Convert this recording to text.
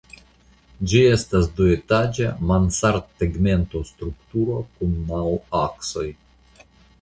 Ĝi estas duetaĝa mansardtegmentostrukturo kun naŭ aksoj.